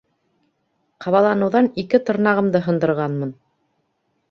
Ҡабаланыуҙан ике тырнағымды һындырғамын.